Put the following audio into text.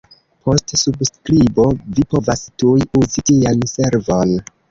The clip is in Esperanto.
Post subskribo vi povas tuj uzi tian servon.